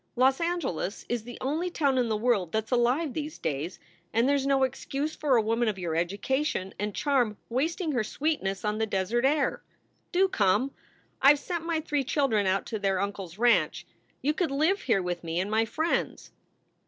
Los Angeles is the only town in the world that s alive these days, and there s no excuse for a woman of your education and charm wasting her sweetness on the desert air. Do come! I ve sent my three children out to their uncle s ranch. You could live here with me and my friends."